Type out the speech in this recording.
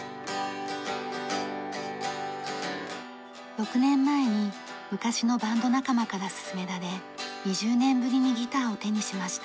６年前に昔のバンド仲間から勧められ２０年ぶりにギターを手にしました。